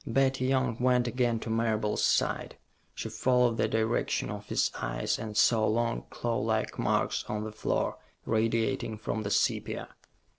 Betty Young went again to Marable's side. She followed the direction of his eyes, and saw long, clawlike marks on the floor, radiating from the sepia.